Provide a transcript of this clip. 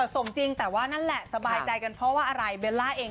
สมจริงแต่ว่านั้นแหละที่อากาศทหันสบายใจกัน